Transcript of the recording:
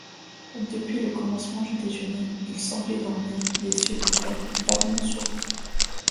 Depuis le commencement du déjeuner, il semblait dormir, les yeux ouverts, vaguement souriant.